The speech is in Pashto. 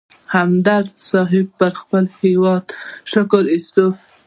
همدرد صیب پر خپل هېواد شکر اېست.